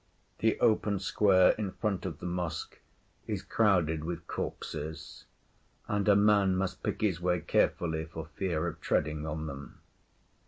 The open square in front of the Mosque is crowded with corpses; and a man must pick his way carefully for fear of treading on them.